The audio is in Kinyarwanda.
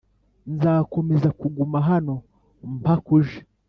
nzakomeza kuguma hano mpaka uje.